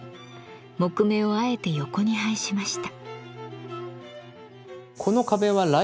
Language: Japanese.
木目をあえて横に配しました。